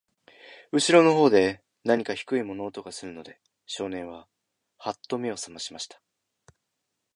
後ろの方で、なにか低い物音がするので、少年は、はっと目を覚ましました。